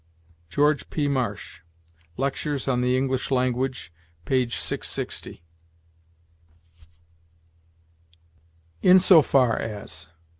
George P. Marsh, "Lectures on the English Language," p. 660. IN SO FAR AS.